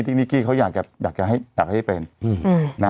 ที่นิกกี้เขาอยากให้เป็น